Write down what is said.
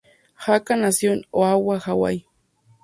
Haka nació en Oahu, Hawái.